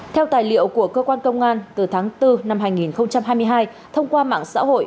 theo tài liệu của cơ quan công an từ tháng bốn năm hai nghìn hai mươi hai thông qua mạng xã hội